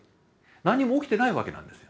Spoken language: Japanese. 何も起きてないわけなんですよ。